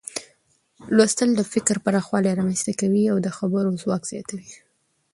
لوستل د فکر پراخوالی رامنځته کوي او د خبرو ځواک زیاتوي.